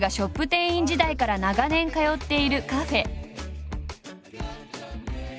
店員時代から長年通っているカフェ。